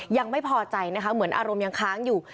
ยังไม่พอใจนะคะเหมือนอารมณ์ยังค้างอยู่